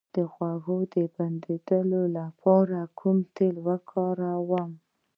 د غوږ د بندیدو لپاره کوم تېل وکاروم؟